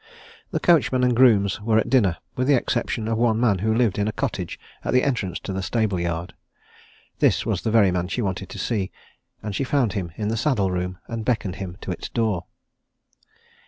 The coachman and grooms were at dinner with the exception of one man who lived in a cottage at the entrance to the stable yard. This was the very man she wanted to see, and she found him in the saddle room, and beckoned him to its door.